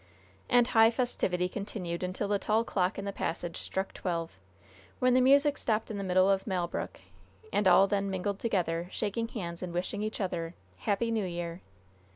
And high festivity continued until the tall clock in the passage struck twelve, when the music stopped in the middle of "Malbrook," and all then mingled together, shaking hands and wishing each other "Happy New Year."